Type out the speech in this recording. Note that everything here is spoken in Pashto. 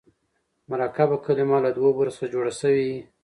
مرکبه کلمه له دوو برخو څخه جوړه سوې يي.